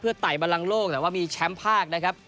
เพื่อไตบัลลังโลกแต่ว่ามีแชมพ์ภาคนะครับ